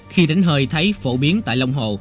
khi đánh hời thấy phổ biến tại long hồ